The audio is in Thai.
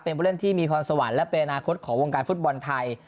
เป็นผู้เล่นที่มีพรสวรรค์และเป็นอนาคตของวงการฟุตบอลไทย